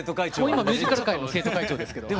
今ミュージカル界の生徒会長ですけど。